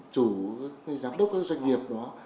chủ giám đốc các doanh nghiệp đó